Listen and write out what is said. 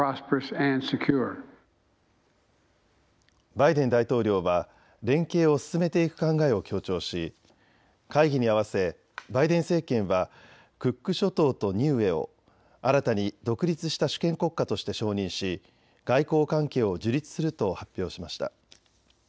バイデン大統領は連携を進めていく考えを強調し会議に合わせバイデン政権はクック諸島とニウエを新たに独立した主権国家として承認し外交関係を樹立すると発表しました。